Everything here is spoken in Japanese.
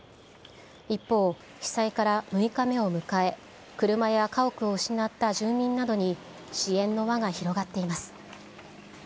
一方、被災から６日目を迎え、車や家屋を失った住民などに、支援の輪が広がっています。